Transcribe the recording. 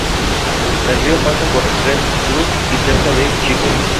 El río pasa por Red Bluff y cerca de Chico.